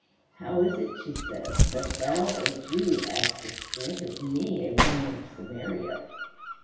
"How is it," she says, "that thou, a Jew, askest drink of me, a woman of Samaria?"